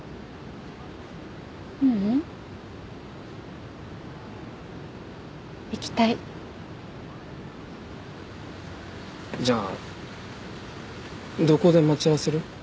ううん行きたいじゃあどこで待ち合わせる？